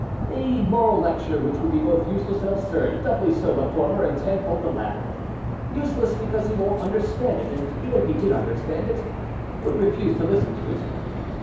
"A moral lecture, which would be both useless and absurd, doubly so the former, and tenfold the latter. "Useless, because he won't understand it, and, even if he did understand it, would refuse to listen to it.